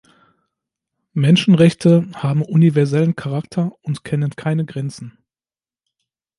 Menschenrechte haben universellen Charakter und kennen keine Grenzen.